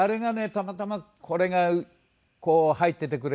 たまたまこれがこう入っててくれてね